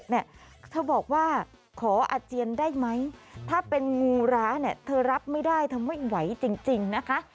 เนี่ยเธอบอกว่าขออาเจียนได้ไหมถ้าเป็นงูร้าเนี่ยเธอรับไม่ได้เธอไม่ไหวจริงนะคะ